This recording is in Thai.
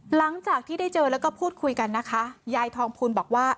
หลังจากที่ได้เจอแล้วก็พูดคุยกันนะคะยายทองภูลบอกว่า